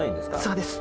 そうです。